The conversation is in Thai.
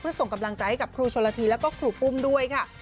ส่งกำลังใจให้กับครูชนละทีแล้วก็ครูปุ้มด้วยค่ะ